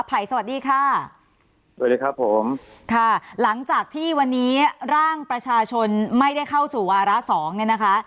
ไผ่สวัสดีค่ะค่ะหลังจากที่วันนี้ร่างประชาชนไม่ได้เข้าสู่อาระสองนะคะ